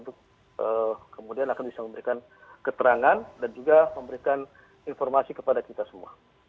untuk kemudian akan bisa memberikan keterangan dan juga memberikan informasi kepada kita semua